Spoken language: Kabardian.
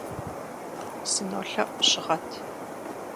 Сынолъэӏу, щыгъэт.